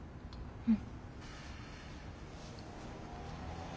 うん。